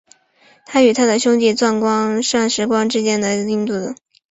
它与它的兄弟钻石光之海同样来自印度的安德拉邦。